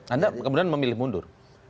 anda kemudian memilih mundur